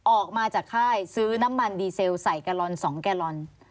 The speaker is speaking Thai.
ออกมาจากค่ายซื้อน้ำมันดีเซลใส่กะลอน๒แกลลอน